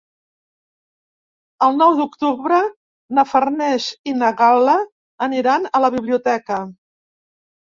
El nou d'octubre na Farners i na Gal·la aniran a la biblioteca.